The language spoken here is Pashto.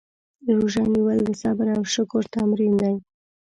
روژه نیول د صبر او شکر تمرین دی.